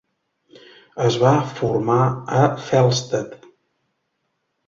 Es va formar a Felsted.